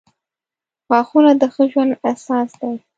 • غاښونه د ښه ژوند اساس دي.